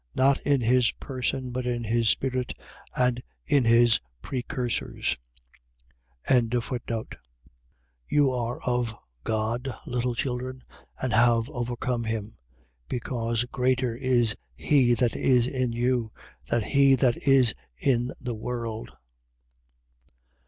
. .Not in his person, but in his spirit, and in his precursors. 4:4. You are of God, little children, and have overcome him. Because greater is he that is in you, than he that is in the world.